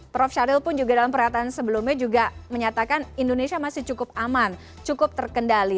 prof syahril pun juga dalam pernyataan sebelumnya juga menyatakan indonesia masih cukup aman cukup terkendali